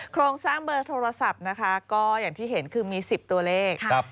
โครงสร้างเบอร์โทรศัพท์นะคะก็อย่างที่เห็นคือมี๑๐ตัวเลข